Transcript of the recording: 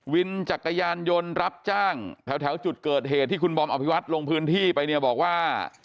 วินจักรยานยนต์รับจ้างแถวจุดเกิดเหตุที่คุณบอมอภิวัตรลงพื้นที่ไปเนี่ยบอกว่า